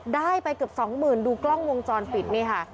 ได้ไปเกือบสองหมื่นดูกล้องวงจรปิดนี่ค่ะ